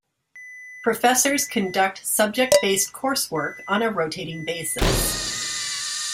Professors conduct subject-based coursework on a rotating basis.